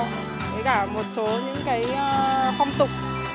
với cả một số những cái phong tục